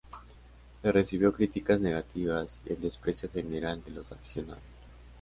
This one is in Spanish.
Se recibió críticas negativas y el desprecio general de los aficionados.